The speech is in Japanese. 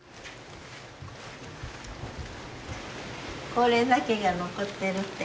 これだけが残ってるって。